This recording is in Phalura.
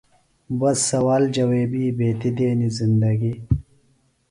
بس سوال جویبیۡ بیتیۡ دنے زندگی۔